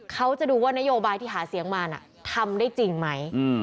เขาจะดูว่านโยบายที่หาเสียงมาทำได้จริงไหม